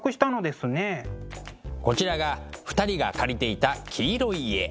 こちらが２人が借りていた黄色い家。